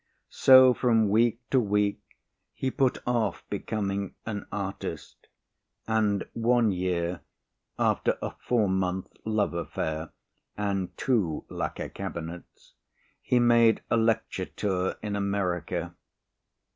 So from week to week he put off becoming an artist and one year (after a four month love affair and two lacquer cabinets) he made a lecture tour in America.